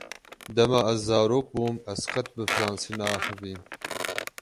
Dema ez zarok bûm ez qet bi fransî neaxivîm.